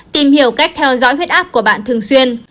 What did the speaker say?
tìm hiểu cách theo dõi huyết áp của bạn thường xuyên